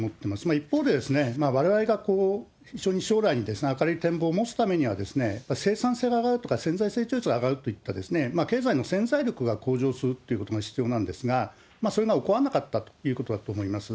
一方で、われわれが非常に将来に明るい展望を持つためには、生産性が上がるとか潜在成長率が上がるといった、経済の潜在力が向上するってことが必要なんですが、それが行わなかったということだと思います。